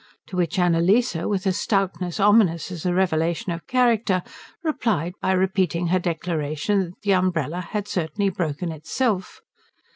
To which Annalise, with a stoutness ominous as a revelation of character, replied by repeating her declaration that the umbrella had certainly broken itself.